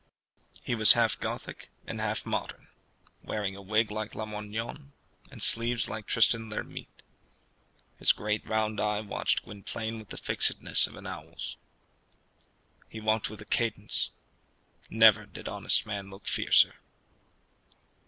He was half Gothic and half modern, wearing a wig like Lamoignon, and sleeves like Tristan l'Hermite. His great round eye watched Gwynplaine with the fixedness of an owl's. He walked with a cadence. Never did honest man look fiercer.